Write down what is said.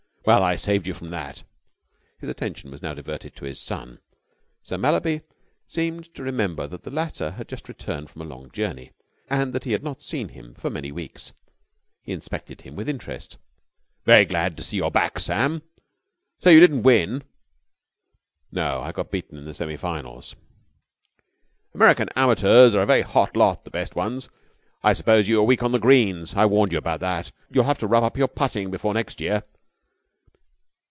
Well, I saved you from that." His attention was now diverted to his son, Sir Mallaby seemed to remember that the latter had just returned from a long journey, and that he had not seen him for many weeks. He inspected him with interest. "Very glad to see you're back, Sam. So you didn't win?" "No, I got beaten in the semi finals." "American amateurs are a very hot lot: the best ones. I suppose you were weak on the greens, I warned you about that. You'll have to rub up your putting before next year."